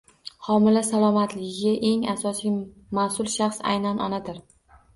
Homila salomatligiga eng asosiy mas’ul shaxs aynan onadir.